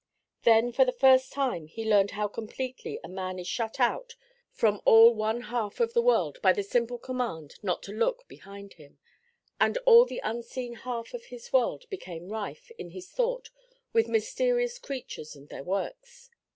Then for the first time he learned how completely a man is shut out from all one half of the world by the simple command not to look behind him, and all the unseen half of his world became rife, in his thought, with mysterious creatures and their works.